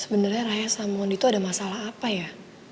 sebenernya raya sama mondi tuh ada masalah apa ya